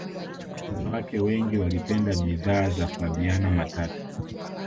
wanawake wengi walipenda bidhaa za flaviana matata